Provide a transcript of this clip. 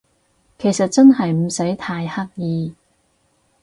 其實真係唔使太刻意